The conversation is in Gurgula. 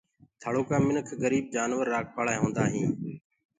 ٿݪو ڪآ منک گريب جآنور رآکوآݪآ هوندآئين